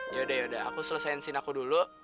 ya udah ya udah aku selesaikan scene aku dulu